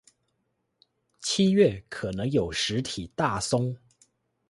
七月可能有實體大松